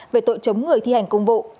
về tội chống người thi hành công vụ